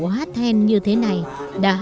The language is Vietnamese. hát hen như thế này đã